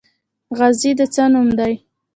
غازی د څه نوم دی؟